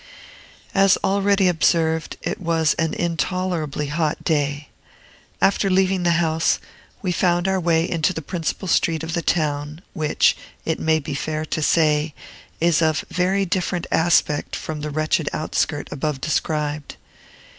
As already observed, it was an intolerably hot day. After leaving the house, we found our way into the principal street of the town, which, it may be fair to say, is of very different aspect from the wretched outskirt above described.